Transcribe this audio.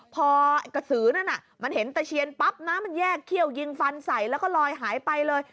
พอกระสือนั้นมันเห็นตะเคียนปั๊บน้ำมันแยกเขี้ยวยิงฟันใส่แล้วก็ลอยหายไปเลย